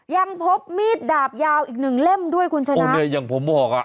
ยังพบมีดดาบยาวอีกหนึ่งเล่มด้วยคุณชนะเนี่ยอย่างผมบอกอ่ะ